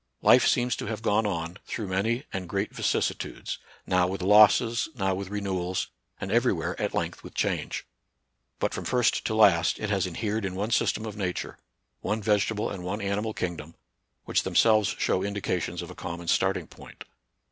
Life seems to have gone on, through many and great vicissitudes, now with losses, now with renewals, and everywhere at length with change; but from first to last it has inhered in one system of nature, one vegetable and one animal king dom, which themselves show indications of a common starting point.